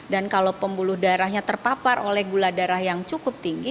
kalau pembuluh darahnya terpapar oleh gula darah yang cukup tinggi